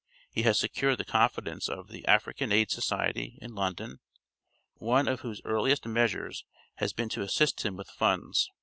He has secured the confidence of "The African Aid Society," in London, one of whose earliest measures has been to assist him with funds.